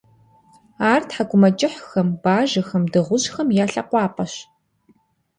Ар тхьэкӀумэкӀыхьхэм, бажэхэм, дыгъужьхэм я лъэкъуапӀэщ.